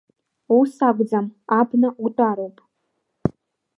Уа акәӡам, абна утәароуп…